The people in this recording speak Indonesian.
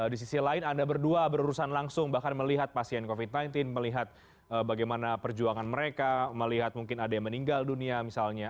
di sisi lain anda berdua berurusan langsung bahkan melihat pasien covid sembilan belas melihat bagaimana perjuangan mereka melihat mungkin ada yang meninggal dunia misalnya